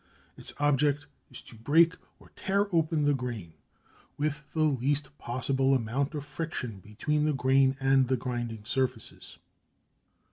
Its object is to break or tear open the grain with the least possible amount of friction between the grain and the grinding surfaces.